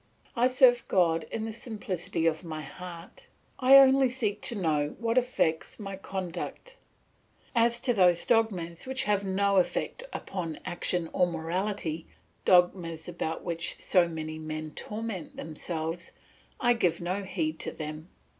I serve God in the simplicity of my heart; I only seek to know what affects my conduct. As to those dogmas which have no effect upon action or morality, dogmas about which so many men torment themselves, I give no heed to them.